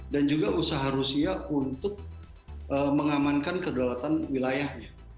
dan juga usaha rusia untuk mengamankan kedualatan wilayahnya